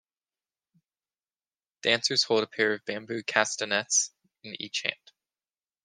Dancers hold a pair of bamboo castanets in each hand.